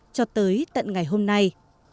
cho tới tận ngày hôm nay